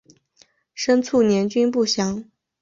生卒年均不详。